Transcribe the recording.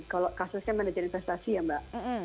kalau kasusnya manajer investasi ya mbak